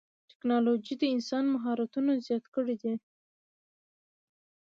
ټکنالوجي د انسان مهارتونه زیات کړي دي.